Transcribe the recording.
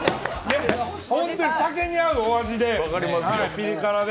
本当に酒に合うお味でピリ辛で。